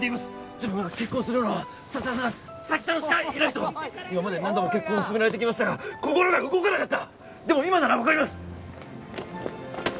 自分が結婚するのはささ咲さんしかいないと今まで何度も結婚を勧められてきましたが心が動かなかったでも今ならわかります